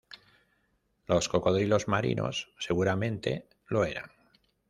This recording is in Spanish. Los cocodrilos marinos seguramente lo eran.